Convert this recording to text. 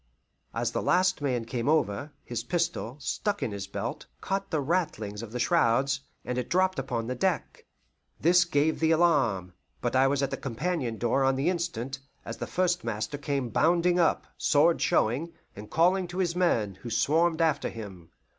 As the last man came over, his pistol, stuck in his belt, caught the ratlings of the shrouds, and it dropped upon the deck. This gave the alarm, but I was at the companion door on the instant, as the first master came bounding up, sword showing, and calling to his men, who swarmed after him.